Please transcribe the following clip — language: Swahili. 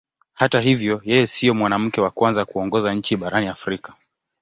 Hata hivyo yeye sio mwanamke wa kwanza kuongoza nchi barani Afrika.